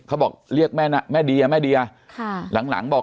เขาบอกเรียกแม่น่ะแม่ดีอ่ะแม่ดีอ่ะค่ะหลังหลังบอก